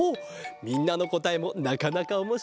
みんなのこたえもなかなかおもしろいぞ。